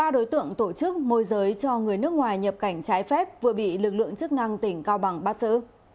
ba đối tượng tổ chức môi giới cho người nước ngoài nhập cảnh trái phép vừa bị lực lượng chức năng tỉnh cao bằng bắt xử